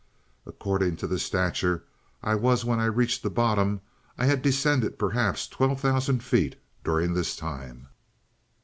According to the stature I was when I reached the bottom, I had descended perhaps twelve thousand feet during this time.